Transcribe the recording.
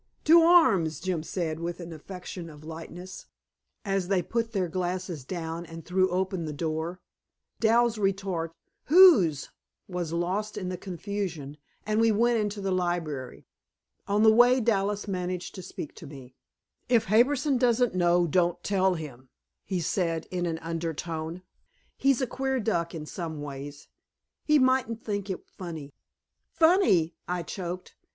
"To arms!" Jim said, with an affectation of lightness, as they put their glasses down, and threw open the door. Dal's retort, "Whose?" was lost in the confusion, and we went into the library. On the way Dallas managed to speak to me. "If Harbison doesn't know, don't tell him," he said in an undertone. "He's a queer duck, in some ways; he mightn't think it funny." "Funny," I choked.